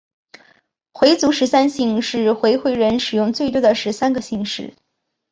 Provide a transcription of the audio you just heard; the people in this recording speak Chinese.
回族十三姓是回回人使用最多的十三个姓氏。